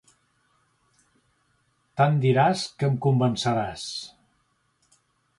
Tant diràs, que em convenceràs.